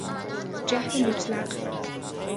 جهل مطلق